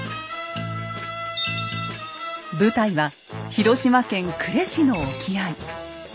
舞台は広島県呉市の沖合。